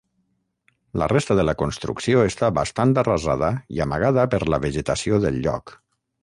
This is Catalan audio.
La resta de la construcció està bastant arrasada i amagada per la vegetació del lloc.